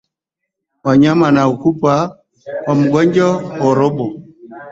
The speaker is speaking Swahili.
Wanyama wanaweza kufa kwa ugonjwa wa ndorobo